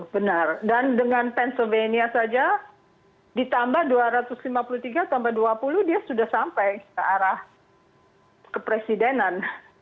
benar dan dengan pensobenia saja ditambah dua ratus lima puluh tiga sampai dua puluh dia sudah sampai ke arah kepresidenan